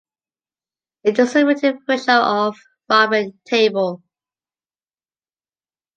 It is the written version of Robin Table.